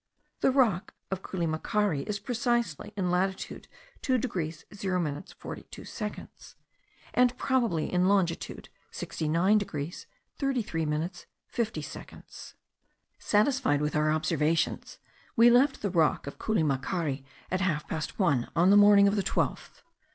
The rock of Culimacari is precisely in latitude 2 degrees 0 minutes 42 seconds, and probably in longitude 69 degrees 33 minutes 50 seconds. Satisfied with our observations, we left the rock of Culimacari at half past one on the morning of the 12th.